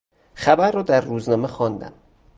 خبر را در روزنامه خواندم.